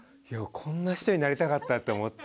こんな人になりたかったって思って。